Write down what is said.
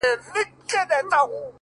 • فلسفې نغښتي دي،